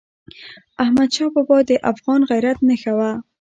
احمدشاه بابا د افغان غیرت نښه وه.